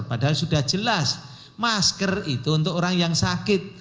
padahal sudah jelas masker itu untuk orang yang sakit